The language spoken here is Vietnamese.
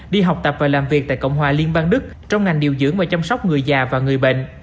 đi học tập và làm việc tại cộng hòa liên bang đức trong ngành điều dưỡng và chăm sóc người già và người bệnh